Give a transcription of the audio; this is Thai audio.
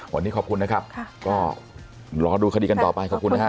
วันนี้ขอบคุณนะครับก็รอดูคดีกันต่อไปขอบคุณนะฮะ